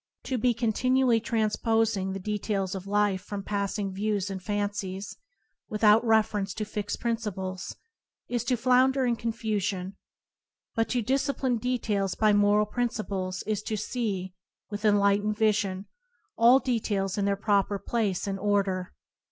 To be continually transposing the details of life from passing views and fancies, without reference to fixed principles, is to flounder in confusion; but to discipline details by moral principles is to see, with enlightened vision, all details in their proper place and order.